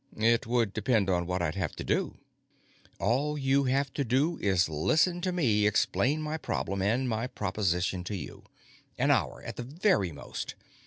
"It would depend on what I'd have to do." "All you will have to do is listen to me explain my problem and my proposition to you. An hour, at the very most.